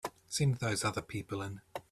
Send those other people in.